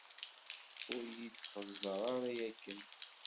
Ur yi-d-xeẓẓer ara akken.